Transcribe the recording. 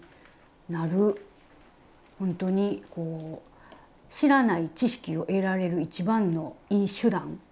ほんとに知らない知識を得られる一番のいい手段。